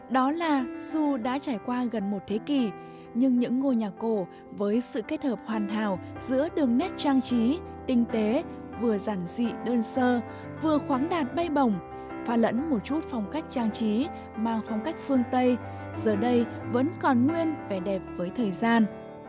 đó là dù đã trải qua gần một thế kỷ nhưng những ngôi nhà cổ với sự kết hợp hoàn hảo giữa đường nét trang trí tinh tế vừa giản dị đơn sơ vừa khoáng đạt bay bổng pha lẫn một chút phong cách trang trí mang phong cách phương tây giờ đây vẫn còn nguyên vẻ đẹp với thời gian